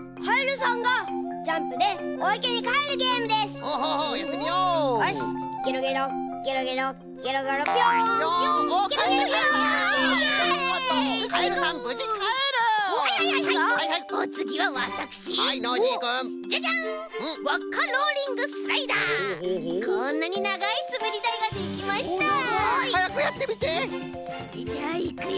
それじゃあいくよ。